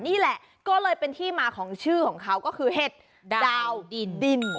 นี่แหละก็เลยเป็นที่มาของชื่อของเขาก็คือเห็ดดาวดิน